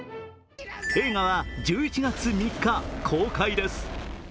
映画は１１月３日公開です。